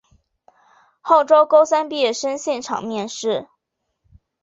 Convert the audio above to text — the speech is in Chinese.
号召高三毕业生现场面试